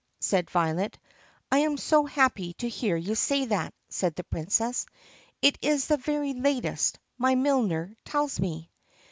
said Violet. "I am so happy to hear you say that," said the Princess. "It is the very latest, my milliner tells me."